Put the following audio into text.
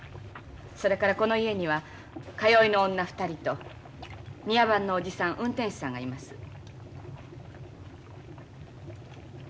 それからこの家には通いの女２人と庭番のおじさん運転手さんがいます。